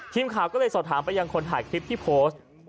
ทีมข่าวก็เลยสอบถามไปยังคนถ่ายคลิปที่โพสต์